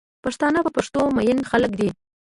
پښتانه په پښتو مئین خلک دی